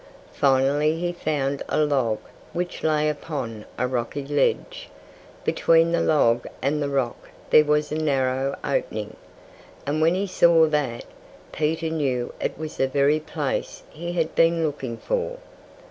Finally he found a log which lay upon a rocky ledge. Between the log and the rock there was a narrow opening. And when he saw that, Peter knew it was the very place he had been looking for.